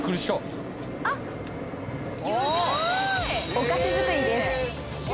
「お菓子作りです」